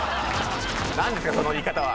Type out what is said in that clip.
何ですか⁉その言い方は。